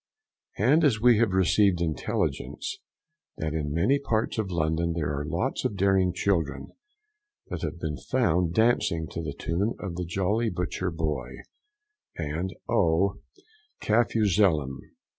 And as we have received intelligence that in many parts of London there are lots of daring children that have been found dancing to the tune of the Jolly Butcher Boy, and Oh, Cafuzelum!